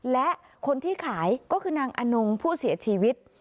และคนที่ขายก็คือนางอนงผู้เสียชีวิต